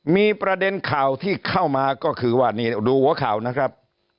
มีประเด็นข่าวที่เข้ามาก็คือว่านี่ดูหัวข่าวนะครับ